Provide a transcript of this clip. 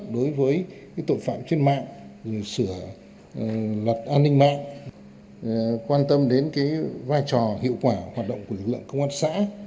đối với tội phạm trên mạng sửa luật an ninh mạng quan tâm đến vai trò hiệu quả hoạt động của lực lượng công an xã